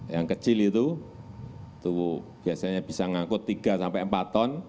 yang kecil itu biasanya bisa ngangkut tiga sampai empat ton